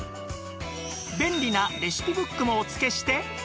便利なレシピブックもお付けして